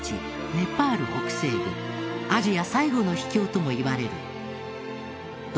ネパール北西部アジア最後の秘境ともいわれるドルポ。